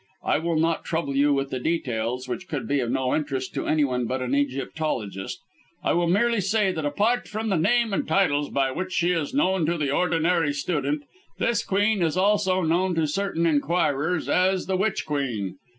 I will not trouble you with the details, which could be of no interest to anyone but an Egyptologist, I will merely say that apart from the name and titles by which she is known to the ordinary student, this queen is also known to certain inquirers as the Witch Queen.